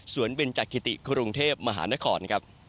สวนเบนจักริติกรุงเทพมหานคร